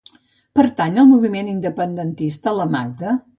Pertany al moviment independentista la Magda?